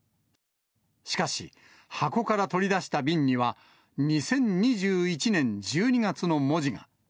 しかし、箱から取り出した瓶には、２０２１年１２月の文字が。